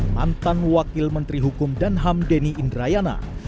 mantan wakil menteri hukum dan ham deni indrayana